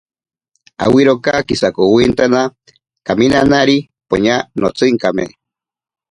Awiroka kisakowintana, kaminanari poña notsinkame.